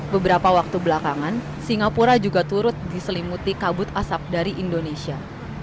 beberapa waktu belakangan singapura juga turut diselimuti kabut asap dari indonesia